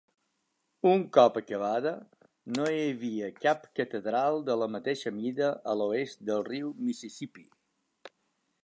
Un cop acabada, no hi havia cap catedral de la mateixa mida a l'oest del riu Mississipí.